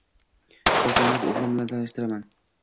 Xohlasangiz, o’glim bilan tanishtiraman.